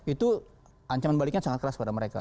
itu ancaman baliknya sangat keras pada mereka